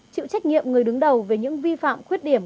chịu trách nhiệm người đứng đầu về những vi phạm khuyết điểm